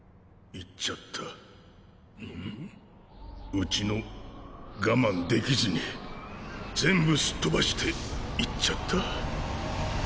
ウチの我慢できずに全部すっ飛ばして行っちゃった。